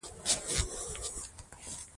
د افغانستان میوه مشهوره ده.